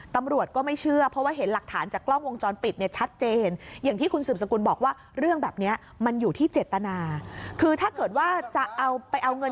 ตำรวจก็ไม่เชื่อเพราะเห็นหลักฐานจากกล้องวงจรปิดเนี่ยชัดเจน